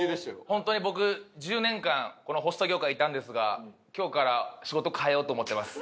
本当に僕１０年間このホスト業界にいたんですが今日から仕事変えようと思ってます。